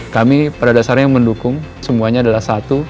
kami pada dasarnya mendukung semuanya adalah satu